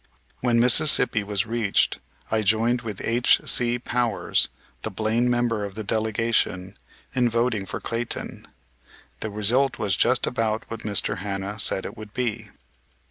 When Mississippi was reached, I joined with H.C. Powers, the Blaine member of the delegation, in voting for Clayton. The result was just about what Mr. Hanna said it would be.